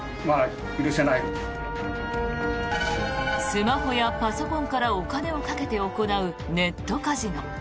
スマホやパソコンからお金をかけて行うネットカジノ。